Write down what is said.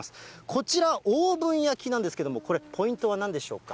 こちら、オーブン焼きなんですけれども、これ、ポイントはなんでしょうか。